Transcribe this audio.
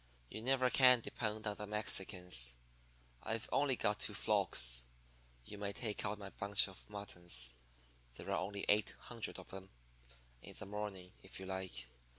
'You never can depend on the Mexicans. I've only got two flocks. You may take out my bunch of muttons there are only eight hundred of 'em in the morning, if you like.